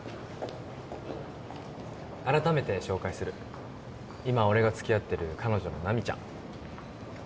改めて紹介する今俺がつきあってる彼女の奈未ちゃん